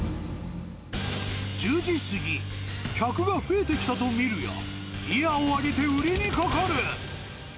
１０時過ぎ、客が増えてきたとみるや、ギアを上げて売りにかかる。